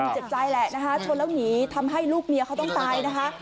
เจ็บใจแหละนะคะชนแล้วหนีทำให้ลูกเมียเขาต้องตายนะคะ